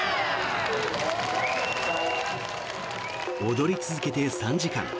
踊り続けて３時間。